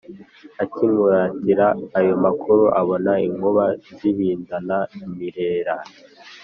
akimuratira ayo makuru abona inkuba zihindana imirera.